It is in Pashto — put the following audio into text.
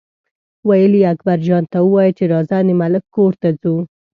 ویل یې اکبرجان ته ووایه چې راځه د ملک کور ته ځو.